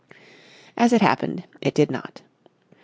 As it happened, it did not.